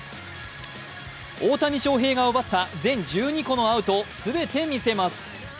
大谷翔平が奪った全１２個のアウトを全部見せます。